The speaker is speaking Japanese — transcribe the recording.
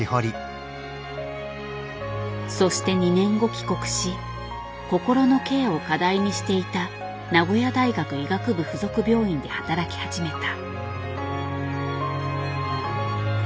そして２年後帰国し心のケアを課題にしていた名古屋大学医学部附属病院で働き始めた。